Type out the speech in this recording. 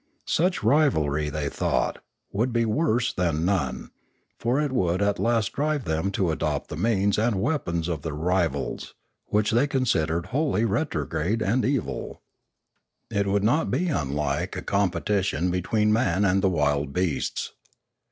Such rivalry, they thought, would be worse than none; for it would at last drive them to adopt the means and weapons of their rivals, which they considered wholly retrograde and evil. It would be not unlike a compe tition between man and the wild beasts.